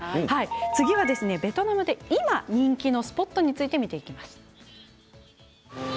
次はベトナムで今人気のスポットについてです。